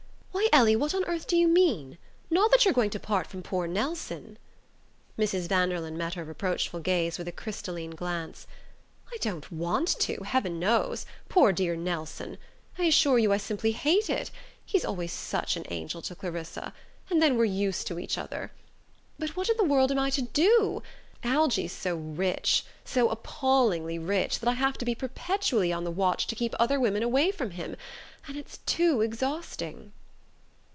"Why, Ellie, what on earth do you mean? Not that you're going to part from poor Nelson?" Mrs. Vanderlyn met her reproachful gaze with a crystalline glance. "I don't want to, heaven knows poor dear Nelson! I assure you I simply hate it. He's always such an angel to Clarissa... and then we're used to each other. But what in the world am I to do? Algie's so rich, so appallingly rich, that I have to be perpetually on the watch to keep other women away from him and it's too exhausting...."